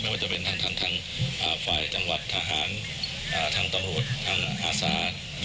ว่าจะเป็นทางฝ่ายจังหวัดทหารทางตำรวจทางอาสา